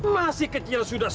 masih kecil sudah suka